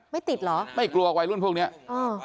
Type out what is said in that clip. ไม่ติดเหรอไม่กลัววัยรุ่นพวกเนี้ยเออ